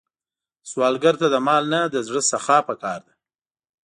سوالګر ته د مال نه، د زړه سخا پکار ده